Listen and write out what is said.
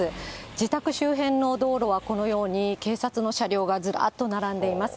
自宅周辺の道路は、このように警察の車両がずらっと並んでいます。